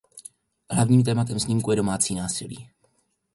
Hlavním tématem snímku je domácí násilí.